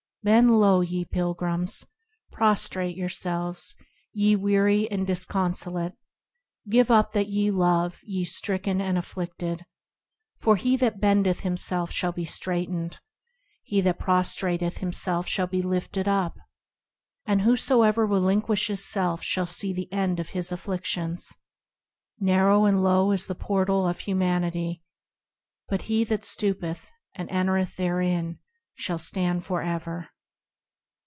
Bend low, Ye pilgrims; Prostrate Yourselves, Ye weary and disconsolate; Give up that ye love, ye stricken and afflicted; For he that bendeth himself shall be straightened, He that prostrateth himself shall be lifted up, And whosoever relinquishes self shall see the end of his afflictions. Narrow and Low is the Portal of Humility, But he that stoopeth, and entereth therein, shall stand for ever.